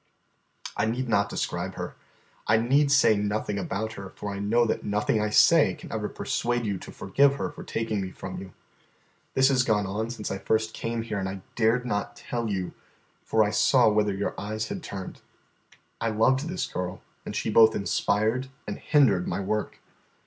"I need not describe her. I need say nothing about her, for I know that nothing I say can ever persuade you to forgive her for taking me from you. This has gone on since I first came here, and I dared not tell you, for I saw whither your eyes had turned. I loved this girl, and she both inspired and hindered my work.